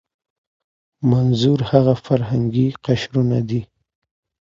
منظور هغه فرهنګي قشرونه دي.